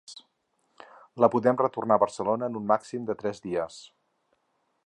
La podem retornar a Barcelona en un màxim de tres dies.